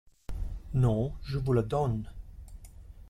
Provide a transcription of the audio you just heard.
Non, je vous la donne…